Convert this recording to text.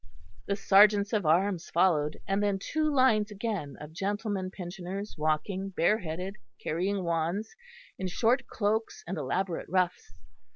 The serjeants of arms followed, and then two lines again of gentlemen pensioners walking, bare headed, carrying wands, in short cloaks and elaborate ruffs.